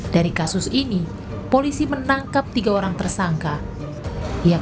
dari kasus ini polisi mencari pertalit yang berbeda dengan pertamina regional jawa barat